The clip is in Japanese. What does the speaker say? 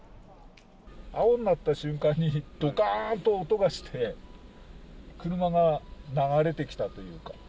青になった瞬間に、どかんと音がして、車が流れてきたというか。